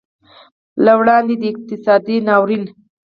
له وړاندې د اقتصادي ناورین